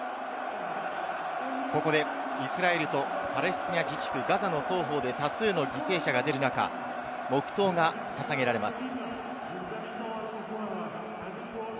ここでイスラエルとパレスチナ自治区、ガザの双方で多数の犠牲者が出る中、黙とうが捧げられます。